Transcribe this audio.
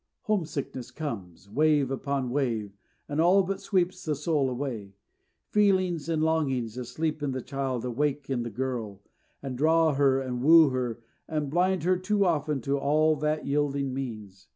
Home sickness comes, wave upon wave, and all but sweeps the soul away; feelings and longings asleep in the child awake in the girl, and draw her and woo her, and blind her too often to all that yielding means.